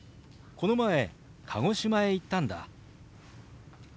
この前鹿児島へ行ったんだ。